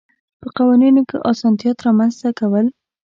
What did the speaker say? په قوانینو کې اسانتیات رامنځته کول.